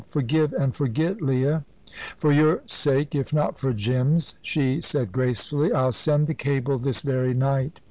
Forgive and forget, Leah." "For your sake, if not for Jim's," she said gracefully. "I'll send the cable this very night."